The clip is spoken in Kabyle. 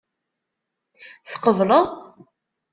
Tqebled?